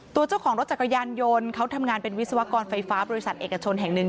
ตัวเจ้าของรถจักรยานยนต์เขาทำงานเป็นวิศวกรไฟฟ้าบริษัทเอกชนแห่งหนึ่ง